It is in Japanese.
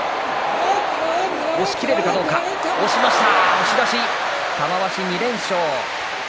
押し出し、玉鷲２連勝。